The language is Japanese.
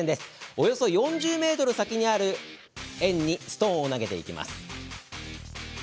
およそ４０ｍ先にある円にストーンを投げます。